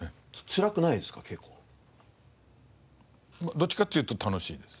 どっちかっていうと楽しい。